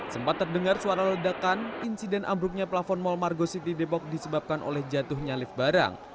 sempat terdengar suara ledakan insiden ambruknya plafon mall margo city depok disebabkan oleh jatuhnya lift barang